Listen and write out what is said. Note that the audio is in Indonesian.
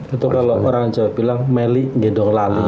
atau kalau orang jawa bilang meli ngendong lali